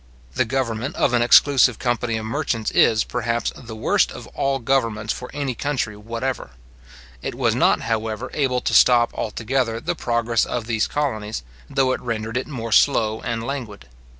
The government of an exclusive company of merchants is, perhaps, the worst of all governments for any country whatever. It was not, however, able to stop altogether the progress of these colonies, though it rendered it more slow and languid.